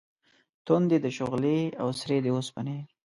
تُندې دي شغلې او سرې دي اوسپنې